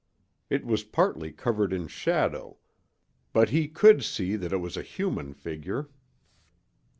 It was partly covered in shadow, but he could see that it was a human figure.